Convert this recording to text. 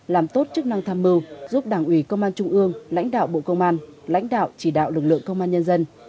làm tốt chức năng tham mưu giúp đảng ủy công an trung ương lãnh đạo bộ công an lãnh đạo chỉ đạo lực lượng công an nhân dân